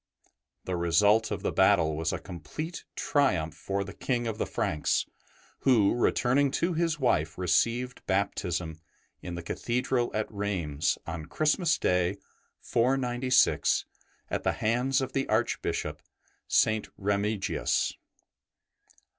'' The result of the battle was a complete triumph for the King of the Franks, who, returning to his wife, received baptism in the Cathedral at Rheims on Christmas Day, 496, at the hands of the Archbishop, St. Remigius.